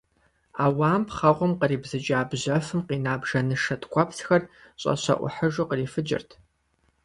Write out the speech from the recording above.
Ӏэуам пхъэкъум къыхэбзыкӀа бжьэфым къина бжэнышэ ткӀуэпсхэр, щӀэщэӀухьыжу, кърифыкӀырт.